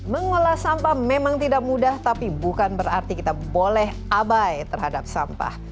mengolah sampah memang tidak mudah tapi bukan berarti kita boleh abai terhadap sampah